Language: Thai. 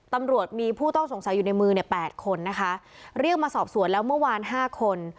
ตำรวจมีผู้ต้องสงสัยอยู่ในมือเนี่ยแปดคนนะคะเรียกมาสอบสวนแล้วเมื่อวานห้าคน